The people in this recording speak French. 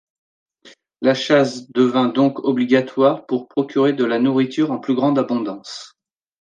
La chasse devint donc obligatoire pour procurer de la nourriture en plus grande abondance.